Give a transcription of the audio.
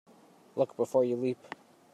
Look before you leap.